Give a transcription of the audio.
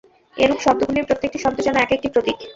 এরূপ শব্দগুলির প্রত্যেকটি শব্দ যেন এক-একটি প্রতীক।